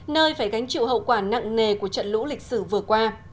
nơi phải gánh chịu hậu quả nặng nề của trận lũ lịch sử vừa qua